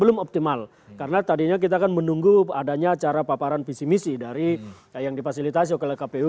dan kemudian kita menunggu karena tadinya kita kan menunggu adanya cara paparan visi misi dari yang dipasilitasi oleh kpu ternyata gagal